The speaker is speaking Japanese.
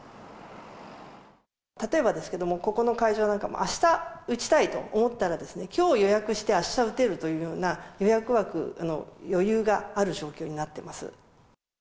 例えばですけども、ここの会場なんかも、あした打ちたいと思ったら、きょう予約してあした打てるというような予約枠の余裕がある状況になっています。